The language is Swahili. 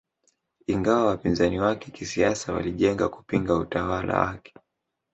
Ingawa wapinzani wake kisiasa walijenga kupinga utawala wake